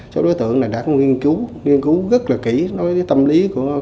chỗ đối tượng này đã nghiên cứu nghiên cứu rất là kỹ nói với tâm lý của huy dân mình